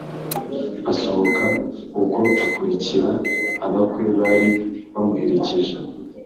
Asohoka ubwo akurikira abakwe bari bamuherekeje